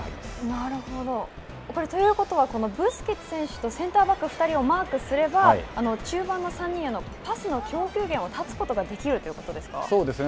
なるほど。ということは、ブスケツ選手とセンターバック２人をマークすれば、中盤の３人へのパスの供給源を断つことができるということですか。